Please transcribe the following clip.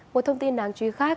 một thông tin đáng chú ý khác